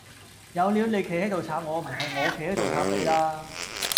有料你企喺度插我唔係我企喺度插你啦